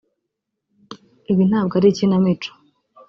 Ibi bintu ntabwo ari ikinamico